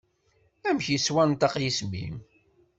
Amek yettwanṭaq yisem-im?